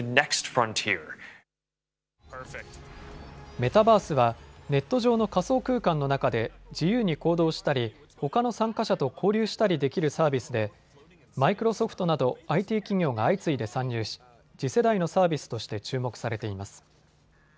メタバースはネット上の仮想空間の中で自由に行動したり、ほかの参加者と交流したりできるサービスでマイクロソフトなどＩＴ企業が相次いで参入し、次世代のサービスとして注目されています。